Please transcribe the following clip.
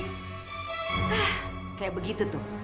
hah kayak begitu tuh